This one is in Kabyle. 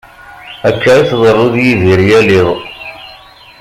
Akka i tḍeru d Yidir yal iḍ.